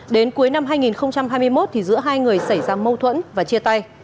đến cuối năm hai nghìn hai mươi một giữa hai người xảy ra mâu thuẫn và chia tay